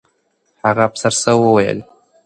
هغه افسر څه وویل؟